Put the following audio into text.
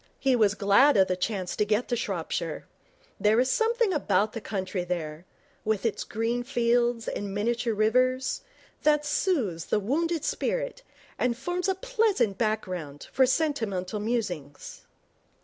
He was glad of the chance to get to Shropshire. There is something about the country there, with its green fields and miniature rivers, that soothes the wounded spirit and forms a pleasant background for sentimental musings.